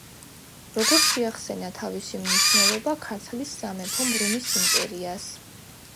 როგორ შეახსენა თავისი მნიშვნელობა ქართლის სამეფომ რომის იმპერიას?